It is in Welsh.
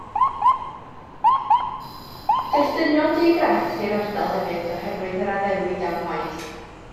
Daeth dynion di-grefft i'r ardal hefyd oherwydd yr addewid am waith.